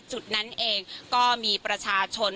จุดนั้นเองก็มีประชาชน